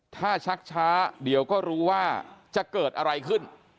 ถ้าชักช้าเดี๋ยวก็รู้ว่าจะเกิดอะไรขึ้น